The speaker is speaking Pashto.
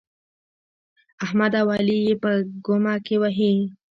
احمد او علي يې په ګمه کې وهي.